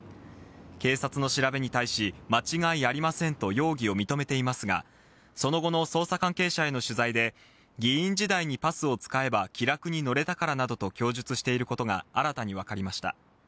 警察の調べに対し、間違いありませんと容疑を認めていますが、その後の捜査関係者への取材で、議員時代にパスを使えば気楽に乗れたからなどと供述していることが新たに分かりました。